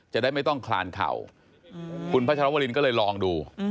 จะได้ไม่ต้องคลานเข่าคุณพัชรวรินก็เลยลองดู